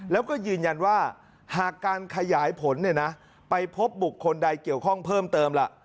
แล้วก็ยืนยันว่าหากการขยายผลไปพบบุคคลใดเกี่ยวข้องเพิ่มเติมล่ะ